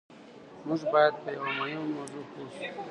موږ بايد په يوه مهمه موضوع پوه شو.